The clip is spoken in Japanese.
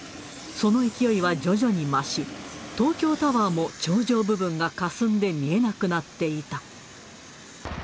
その勢いは徐々に増し、東京タワーも頂上部分がかすんで見えなくなっていた。